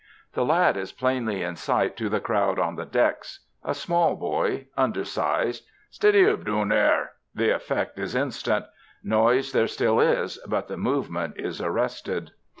The lad is plainly in sight to the crowd on the decks. A small boy, undersized. "Steady up doon therr!" The effect is instant. Noise there still is, but the movement is arrested.